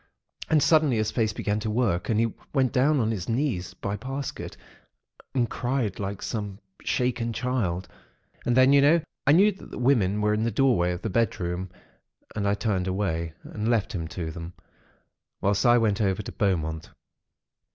And suddenly, his face began to work, and he went down on to his knees by Parsket and cried like some shaken child. And then, you know, I knew that the women were in the doorway of the bedroom and I turned away and left him to them, whilst I went over to Beaumont.